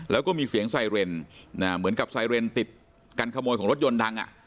แล้วก็มีเสียงไซเรนเหมือนกับไซเรนติดการขโมยของรถยนต์ดังอ่ะ